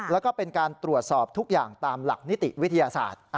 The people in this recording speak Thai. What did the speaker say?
แล้วก็เป็นการตรวจสอบทุกอย่างตามหลักนิติวิทยาศาสตร์